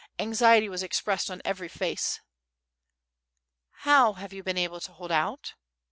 anxiety was expressed on every face. "How have you been able to hold out?"